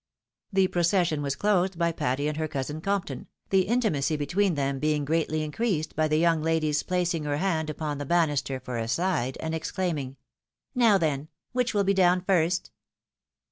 The procession was closed by Patty and her coiisin Compton, the intimacy between them being greatly increased by the young lady's placing her hand upon the banister for a shde, and exclaiming, " Now then ! which will be down first